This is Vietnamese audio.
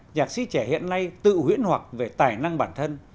nhạc sĩ trẻ hiện nay tự huyễn hoặc về tài năng bản thân